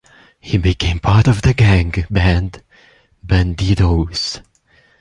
He became part of the gang band Bandidos.